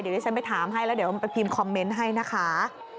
เดี๋ยวที่ฉันไปถามให้แล้วเดี๋ยวมาพิมพ์คอมเมนต์ให้นะคะ